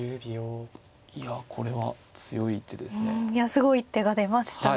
すごい一手が出ましたね。